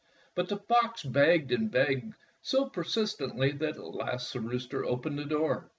But the fox begged and begged so persist ently that at last the rooster opened the door.